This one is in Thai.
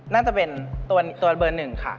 น่าจะเป็นตัวเบอร์หนึ่งค่ะ